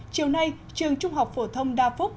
chiều nay trường trung học phổ thông đa phúc